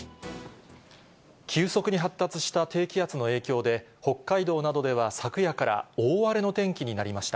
急速に発達した低気圧の影響で、北海道などでは昨夜から大荒れの天気になりました。